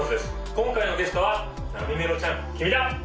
今回のゲストはなみめろちゃん君だ！